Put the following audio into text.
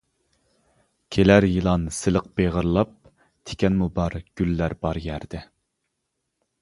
كېلەر يىلان سىلىق بېغىرلاپ، تىكەنمۇ بار گۈللەر بار يەردە.